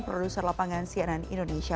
produser lapangan cnn indonesia